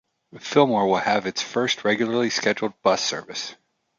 Fillmore will have its first regularly scheduled bus service.